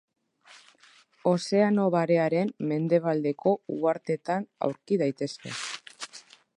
Ozeano Barearen mendebaldeko uhartetan aurki daitezke.